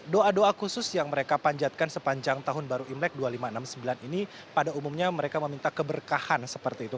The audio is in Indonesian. doa doa khusus yang mereka panjatkan sepanjang tahun baru imlek dua ribu lima ratus enam puluh sembilan ini pada umumnya mereka meminta keberkahan seperti itu